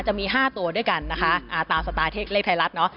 จะมี๕ตัวด้วยกันนะคะตามสไตล์เลขไทยรัฐเนาะ